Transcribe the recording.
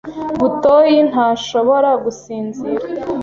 Butoyi ntashobora gusinzira.